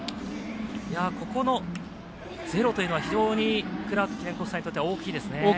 ここのゼロというのはクラーク記念国際にとって大きいですね。